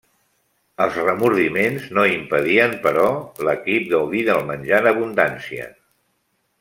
Els remordiments no impedien, però, l'equip gaudir del menjar en abundància.